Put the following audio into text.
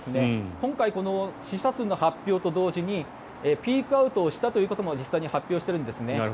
今回、死者数の発表と同時にピークアウトをしたということも実際、発表しているんですね。